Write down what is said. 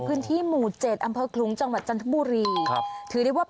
เบบนี้ได้ยืมว่าแสงสะท้อนเข้าใต่อย่างแน่นอน